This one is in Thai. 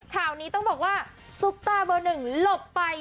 ข่าวนี้ต้องบอกว่าซุปตาเบอร์หนึ่งหลบไป